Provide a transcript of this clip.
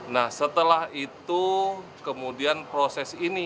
nah setelah itu kemudian proses ini